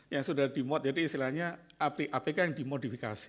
yang sudah di mod jadi istilahnya aplikasi apk yang dimodifikasi